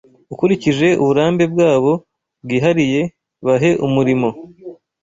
ukurikije uburambe bwabo bwihariye bahe umurimo